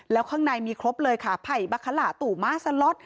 แล้วข้างในมีครบเลยค่ะไผ่บัคละตู่ม่าสล็อต